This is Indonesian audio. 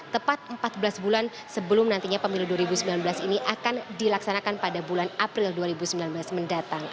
tepat empat belas bulan sebelum nantinya pemilu dua ribu sembilan belas ini akan dilaksanakan pada bulan april dua ribu sembilan belas mendatang